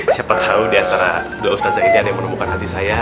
siapa tahu di antara dua ustazah ini ada yang menemukan hati saya